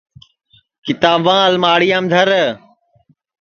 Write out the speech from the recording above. کِتاباں الماڑِیام دھر